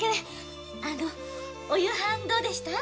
あのお夕飯どうでした？